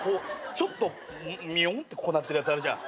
ちょっとみょんってなってるやつあるじゃん。